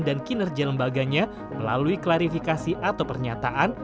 dan kinerja lembaganya melalui klarifikasi atau pernyataan